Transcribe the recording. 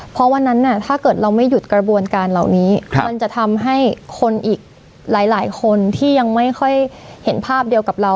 เพราะวันนั้นถ้าเกิดเราไม่หยุดกระบวนการเหล่านี้มันจะทำให้คนอีกหลายคนที่ยังไม่ค่อยเห็นภาพเดียวกับเรา